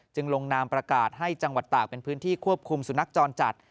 ลงนามประกาศให้จังหวัดตากเป็นพื้นที่ควบคุมสุนัขจรจัด